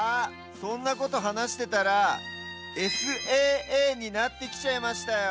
そんなことはなしてたらＳＡＡになってきちゃいましたよ。